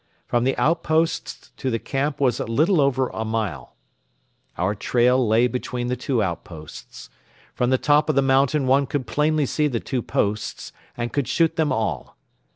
From the outposts to the camp was a little over a mile. Our trail lay between the two outposts. From the top of the mountain one could plainly see the two posts and could shoot them all.